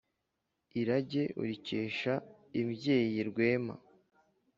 Irage urikesha imbyeyi rwema.